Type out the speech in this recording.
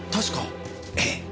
ええ。